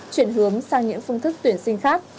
chuyển hướng sang những phương thức tuyển sinh khác